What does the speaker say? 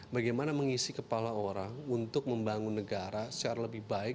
bagaimana mengisi kepala orang untuk membangun negara secara lebih baik